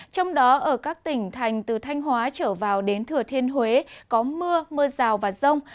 trong đó ở các tỉnh thành từ thanh hóa trở vào đến thừa thiên huế có mưa mưa rào và rông